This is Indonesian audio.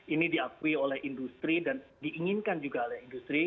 ini diakui oleh industri dan diinginkan juga oleh industri